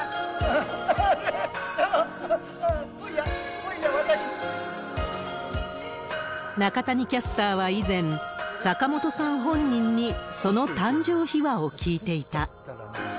今夜、中谷キャスターは以前、坂本さん本人にその誕生秘話を聞いていた。